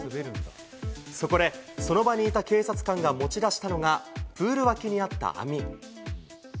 そこで、その場にいた警察官が持ち出したのがプール脇にあった網。